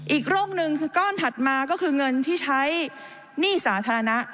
อีกโรคนึงคือก้อนถัดมาก็คือเงินที่ใช้หนี้สาธารณะ